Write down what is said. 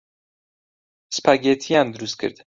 سپاگێتییان دروست کرد.